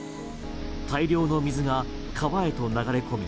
大量の水が川へと流れ込み